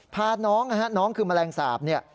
พาน้องน้องคือมะแรงสาปนี่